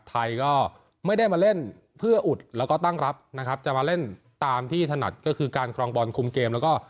ไทยก็ไม่ได้มาเล่นเพื่ออุดแล้วก็ตั้งรับนะครับจะมาเล่นตามที่ถนัดก็คือการครองบอลคุมเกมแล้วก็